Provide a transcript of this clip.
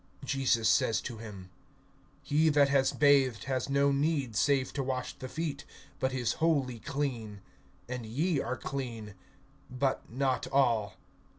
(10)Jesus says to him: He that has bathed has no need save to wash the feet, but is wholly clean. And ye are clean; but not all.